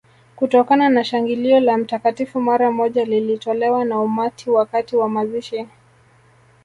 Kutokana na shangilio la Mtakatifu mara moja lililotolewa na umati wakati wa mazishi